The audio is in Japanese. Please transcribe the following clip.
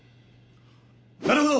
なるほど！